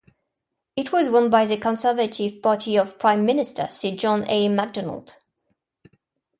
It was won by the Conservative Party of Prime Minister Sir John A. Macdonald.